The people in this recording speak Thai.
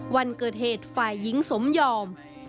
วันเกิดเหตุฝ่ายหญิงสมยอม